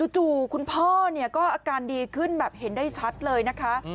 คุณพ่อเนี่ยก็อาการดีขึ้นแบบเห็นได้ชัดเลยนะคะ